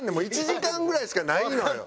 １時間ぐらいしかないのよ。